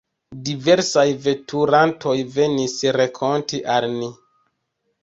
Diversaj veturantoj venis renkonte al ni.